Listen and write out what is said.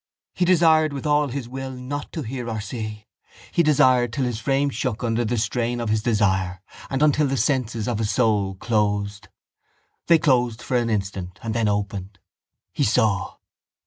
He desired with all his will not to hear or see. He desired till his frame shook under the strain of his desire and until the senses of his soul closed. They closed for an instant and then opened. He saw.